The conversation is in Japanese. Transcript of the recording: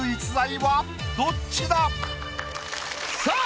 ⁉さあ